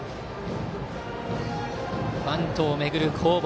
バントを巡る攻防。